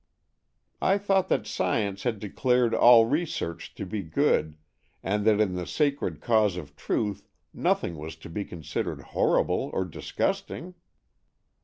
" I thought that science had declared all research to be good, and that in the sacred cause of truth nothing was to be considered horrible or disgusting